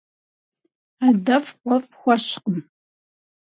Адэфӏ къуэфӏ хуэщкъым.